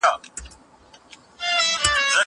هغه وويل چي کالي پاک دي!!